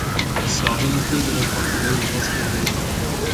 Să avem încredere în partenerii noștri americani.